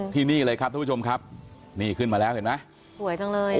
ที่นี่เลยครับทุกผู้ชมครับนี่ขึ้นมาแล้วเห็นไหมสวยจังเลย